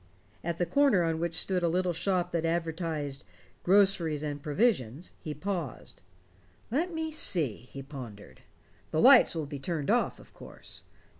At a corner on which stood a little shop that advertised "Groceries and Provisions" he paused. "Let me see," he pondered. "The lights will be turned off, of course.